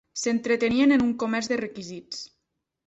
S'entretenien en un comerç de requisits.